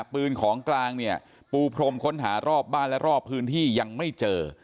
ปืนของกลางเนี่ยปูพรมค้นหารอบบ้านและรอบพื้นที่ยังไม่เจอ